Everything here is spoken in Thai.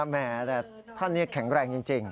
แหมแต่ท่านนี้แข็งแรงจริง